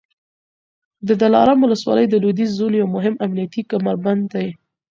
د دلارام ولسوالي د لوېدیځ زون یو مهم امنیتي کمربند دی